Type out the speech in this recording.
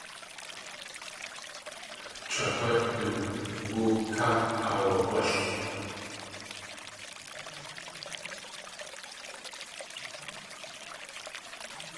Chʼa hú du woowká aawagwál.